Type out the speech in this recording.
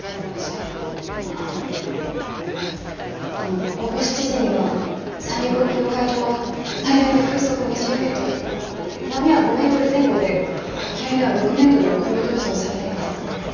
あの午後７時には三陸沖の海上は最大で風速２０メートル波は５メートル前後で沖合では６メートルを超えると予想されています。